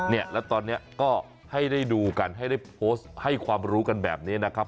เนี่ยแล้วตอนนี้ก็ให้ได้ดูกันให้ได้โพสต์ให้ความรู้กันแบบนี้นะครับ